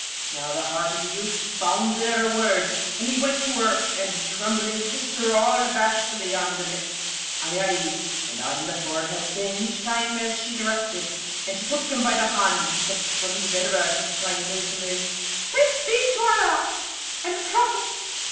Now, the heart of the youth bounded at her words, and he went to her, and trembling kissed her all bashfully on the lips, on the eyes, and on the forehead, saying each time as she directed. Then she took him by the hand, and stepped from the bed of earth, crying joyfully, 'Thanks be to Allah and the Prophet!